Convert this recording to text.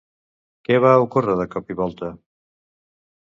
Què va ocórrer de cop i volta?